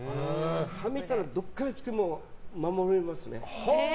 はめたらどこから来ても守れますね。